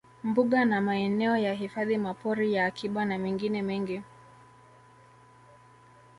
Mbuga na maeneo ya hifadhi mapori ya akiba na mengine mengi